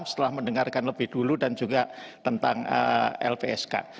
setelah mendengarkan lebih dulu dan juga tentang lpsk